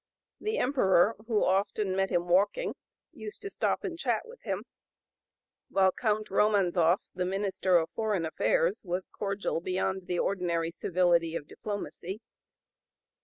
The Emperor, who (p. 071) often met him walking, used to stop and chat with him, while Count Romanzoff, the minister of foreign affairs, was cordial beyond the ordinary civility of diplomacy.